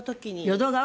淀川？